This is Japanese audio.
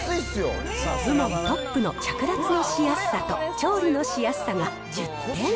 部門トップの着脱のしやすさと調理のしやすさが１０点。